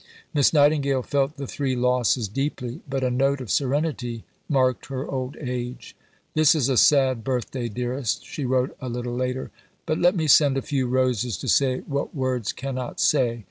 Miss Nightingale felt the three losses deeply, but a note of serenity marked her old age. "This is a sad birthday, dearest," she wrote a little later; "but let me send a few roses to say what words cannot say.